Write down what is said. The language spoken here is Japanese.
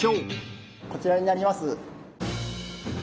こちらになります。